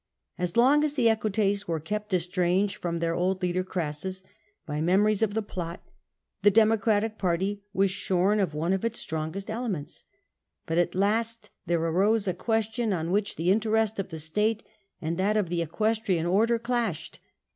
As long as the Equites were kept estranged from their old leader Crassus, by memories of the plot, the Democratic party was shorn of one of its strongest elements. But at last there arose a question on which the interest of the state and that of the Equestrian Order clashed.